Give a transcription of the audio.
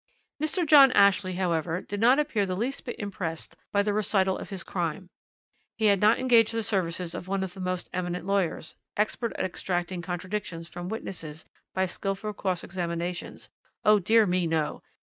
"Mr. John Ashley, however, did not appear the least bit impressed by the recital of his crime. He had not engaged the services of one of the most eminent lawyers, expert at extracting contradictions from witnesses by skilful cross examinations oh, dear me, no!